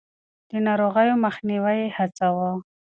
د ناروغيو مخنيوی يې هڅاوه.